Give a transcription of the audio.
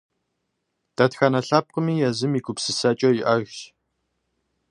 Дэтхэнэ лъэпкъми езым и гупсысэкӏэ иӏэжщ.